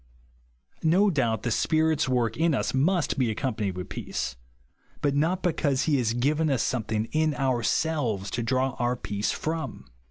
No doubt the Spirit's work in us must be accompanied with peace ; but not because he has iiiven us somethiuG; in ourselves to draw our peace from.